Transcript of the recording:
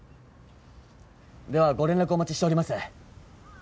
ではご連絡お待ちしております。